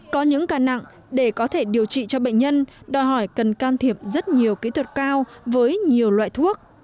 có những ca nặng để có thể điều trị cho bệnh nhân đòi hỏi cần can thiệp rất nhiều kỹ thuật cao với nhiều loại thuốc